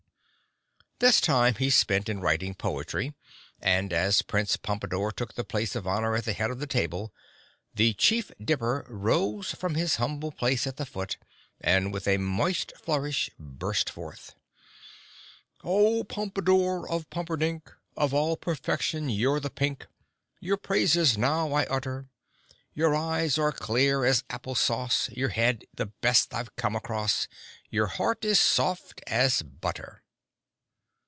This time he spent in writing poetry, and as Prince Pompadore took the place of honor at the head of the table the Chief Dipper rose from his humble place at the foot and with a moist flourish burst forth: "Oh, Pompadore of Pumperdink, Of all perfection you're the pink; Your praises now I utter! Your eyes are clear as apple sauce, Your head the best I've come across; Your heart is soft as butter."